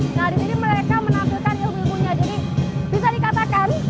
nah di sini mereka menampilkan ilmunya